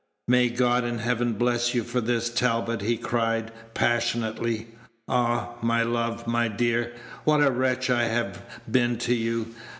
"May God in heaven bless you for this, Talbot!" he cried, passionately. "Ah! my love, my dear, what a wretch I have been to you!